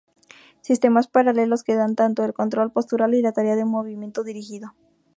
Sistemas paralelos que dan tanto el control postural y la tarea de movimiento dirigido.